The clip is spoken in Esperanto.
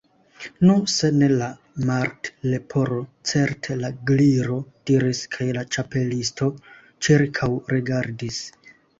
"Nu, se ne la Martleporo, certe la Gliro diris " kaj la Ĉapelisto ĉirkaŭregardis.